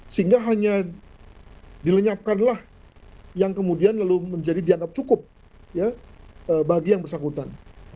sehingga hanya dilenyapkanlah yang kemudian lalu menjadi dianggap cukup bagi yang bersangkutan